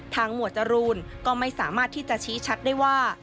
หมวดจรูนก็ไม่สามารถที่จะชี้ชัดได้ว่า